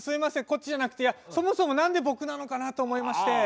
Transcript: こっちじゃなくてそもそも何で僕なのかなと思いまして。